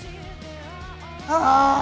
ああ！